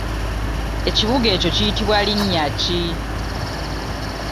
Ekibuga ekyo kiyitibwa linnya ki?